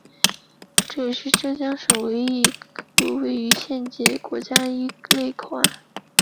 这也是浙江省唯一位于县级的国家一类口岸。